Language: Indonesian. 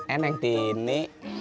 eh neng tini